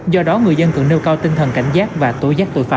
do đó người dân cần nêu cao tinh thần cảnh giác và tối giác tội phạm